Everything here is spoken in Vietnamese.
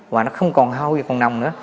và nó không còn hao gì còn nằm nữa